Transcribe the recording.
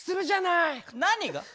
何が？